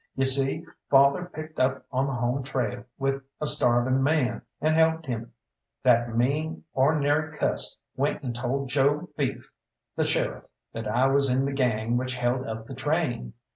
You see, father picked up on the home trail with a starving man, and helped him. That mean, or'nary cuss went and told Joe Beef, the sheriff, that I was in the gang which held up the train.